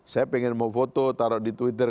saya pengen mau foto taruh di twitter